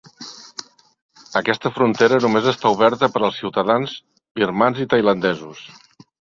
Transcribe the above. Aquesta frontera només està oberta per als ciutadans birmans i tailandesos.